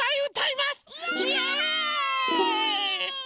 イエーイ！